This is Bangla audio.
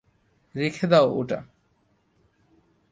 রেখে দাও ওটা।